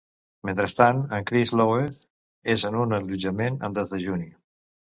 Mentrestant, en Chris Lowe és en un allotjament amb desdejuni.